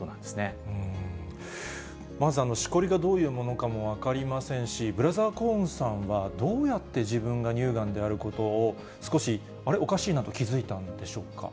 まずしこりがどういうものかも分かりませんし、Ｂｒｏ．ＫＯＲＮさんは、どうやって自分が乳がんであることを少し、あれ、おかしいなと気付いたんでしょうか。